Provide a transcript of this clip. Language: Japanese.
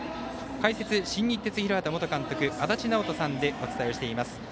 解説、新日鉄広畑元監督足達尚人さんでお伝えしています。